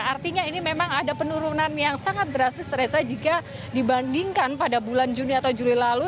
artinya ini memang ada penurunan yang sangat drastis reza jika dibandingkan pada bulan juni atau juli lalu